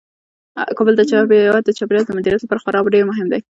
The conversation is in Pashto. کابل د هیواد د چاپیریال د مدیریت لپاره خورا ډیر مهم دی.